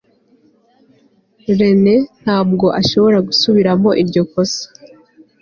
rene ntabwo ashobora gusubiramo iryo kosa